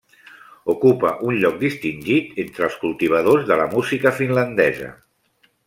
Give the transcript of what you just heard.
Ocupa un lloc distingit entre els cultivadors de la música finlandesa.